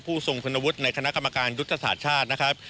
ทรงคุณวุฒิในคณะกรรมการยุทธศาสตร์ชาตินะครับ